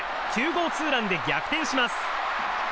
９号ツーランで逆転します。